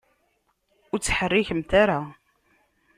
Ur ttḥerrikemt ara.